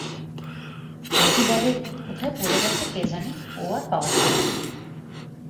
মতি বলে, কোথায় পড়ে গেছে কে জানে ও আর পাওয়া যাবে না।